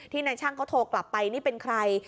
นายช่างเขาโทรกลับไปนี่เป็นใคร